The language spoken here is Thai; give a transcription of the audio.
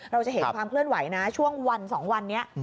เราจะเห็นความเคลื่อนไหวนะช่วงวัน๒วันนี้